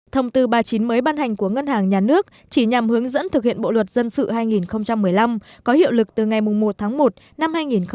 thông tư ba mươi chín mới ban hành của ngân hàng nhà nước chỉ nhằm hướng dẫn thực hiện bộ luật dân sự hai nghìn một mươi năm có hiệu lực từ ngày một tháng một năm hai nghìn một mươi chín